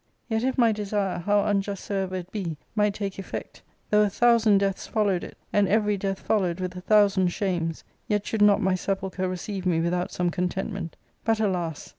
Yet if my desire, how unjust soever it be, might take effect, though a thousand deaths followed it, and every death followed with a thousand shames, yet should not my sepulchre receive me without some contentment But, alas